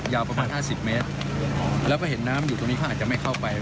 ประมาณ๕๐เมตรแล้วก็เห็นน้ำอยู่ตรงนี้เขาอาจจะไม่เข้าไป